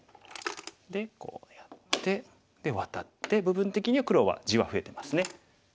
こうやってでワタって部分的には黒は地は増えてますね。